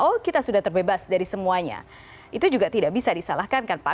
oh kita sudah terbebas dari semuanya itu juga tidak bisa disalahkan kan pak